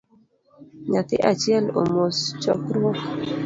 Nyathi achiel omos chokruok